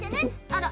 あら？